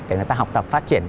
để người ta học tập phát triển